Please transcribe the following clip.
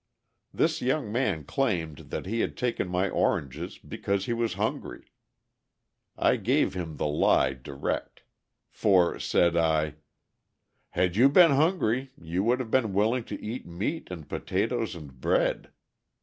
This young man claimed that he had taken my oranges because he was hungry. I gave him the lie direct; for, said I, "Had you been hungry, you would have been willing to eat meat and potatoes and bread.